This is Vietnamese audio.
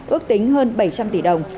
ước tính hơn bảy trăm linh tỷ đồng